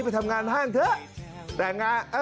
ไปทำงานห้างเถอะแต่งงาน